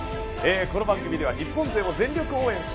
この番組では日本勢を全力応援。